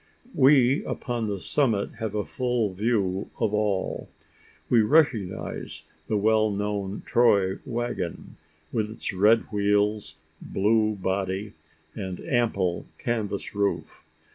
We upon the summit have a full view of all. We recognise the well known Troy waggon with its red wheels, blue body, and ample canvas roof.